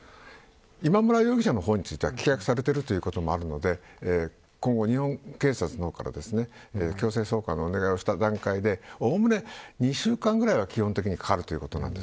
今村容疑者の方は棄却されてるということもあるので今後、日本警察の方から強制送還のお願いをした段階でおおむね２週間ぐらいは基本的にかかるということなんです。